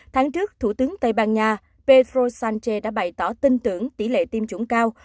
tháng trước thủ tướng tây ban nha pedro sánche đã bày tỏ tin tưởng tỷ lệ tiêm chủng cao